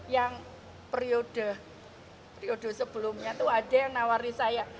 yang periode sebelumnya tuh ada yang nawari saya